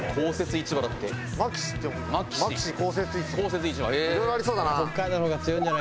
いろいろありそうだな。